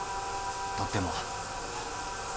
とっても。